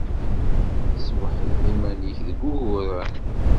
Tesweḥleḍ iman-nnek deg wuguren?